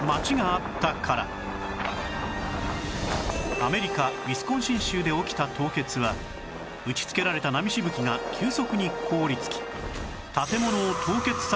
アメリカウィスコンシン州で起きた凍結は打ちつけられた波しぶきが急速に凍りつき建物を凍結させてしまったのだ